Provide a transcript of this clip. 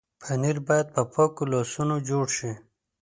پنېر باید په پاکو لاسونو جوړ شي.